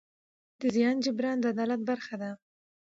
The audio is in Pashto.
د زیان جبران د عدالت برخه ده.